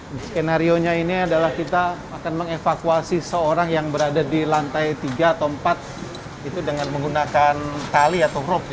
di skenario ini kita akan mengevakuasi seorang yang berada di lantai tiga atau empat dengan menggunakan tali atau rope